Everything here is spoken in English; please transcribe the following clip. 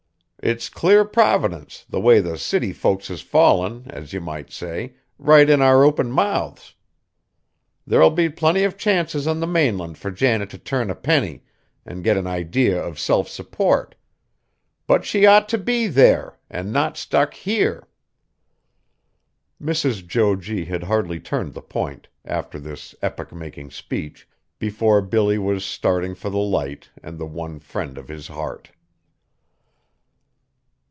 It's clear Providence, the way the city folks has fallen, as you might say, right in our open mouths. There'll be plenty of chances on the mainland fur Janet t' turn a penny, an' get an idea of self support. But she ought t' be there, and not stuck here!" Mrs. Jo G. had hardly turned the Point, after this epoch making speech, before Billy was starting for the Light and the one friend of his heart.